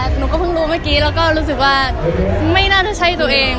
หนูก็เพิ่งรู้เมื่อกี้แล้วก็รู้สึกว่าไม่น่าจะใช่ตัวเอง